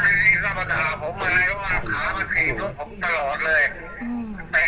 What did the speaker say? มีคนที่รับประตาของผมอะไรว่าขาวมาตีดลูกผมตลอดเลย